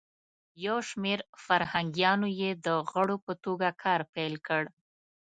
یو شمیر فرهنګیانو یی د غړو په توګه کار پیل کړ.